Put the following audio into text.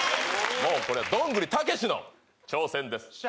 もうこれはどんぐりたけしの挑戦です